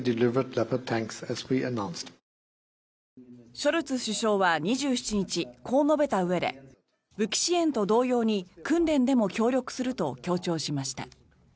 ショルツ首相は２７日こう述べたうえで武器支援と同様に訓練でも協力すると強調しました。